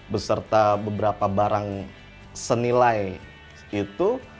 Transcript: beserta beberapa barang senilai itu